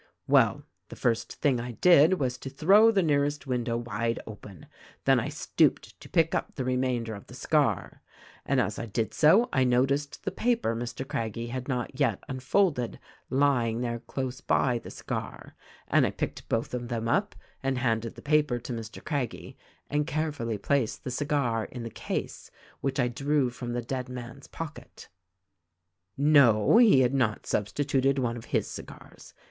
"Well, the first thing I did was to throw the nearest window wide open ; then I stooped to pick up the remainder of the cigar, and as I did so I noticed the paper Mr. Craggie had not yet unfolded lying there close by the cigar, and I picked both of them up and handed the paper to Mr. Craggie and carefully placed the cigar in the case which I drew from the dead man's pocket. "No ; he had not substituted one of his cigars